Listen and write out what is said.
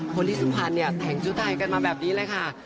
คนที่สุขภัณฑ์นี่แถงจุดศัพท์ให้กันมาแบบนี้เลยค่ะ